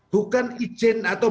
bukan izin atau